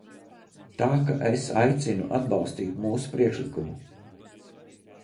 Tā ka es aicinu atbalstīt mūsu priekšlikumu.